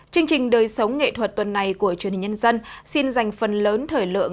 chương trình đời sống nghệ thuật tuần này của truyền hình nhân dân xin dành phần lớn thời lượng